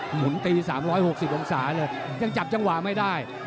หมุนตี๓๖๐องศาเลยยังจับจังหวะไม่ได้